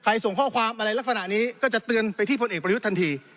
ส่งข้อความอะไรลักษณะนี้ก็จะเตือนไปที่พลเอกประยุทธ์ทันที